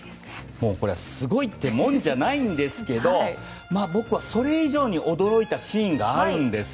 もう、すごいなんてもんじゃないんですけど僕はそれ以上に驚いたシーンがあるんです。